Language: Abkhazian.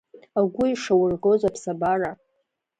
Агәы ишаургоз аԥсабара…